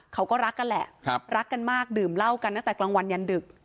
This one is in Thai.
เขาก็รักกันแหละรักกันมากดื่มเหล้ากันตั้งแต่กลางวันยันดึก